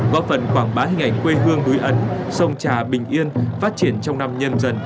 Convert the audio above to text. góp phần quảng bá hình ảnh quê hương núi ẩn sông trà bình yên phát triển trong năm nhân dân hai nghìn hai mươi hai